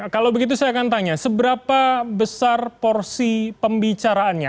kalau begitu saya akan tanya seberapa besar porsi pembicaraannya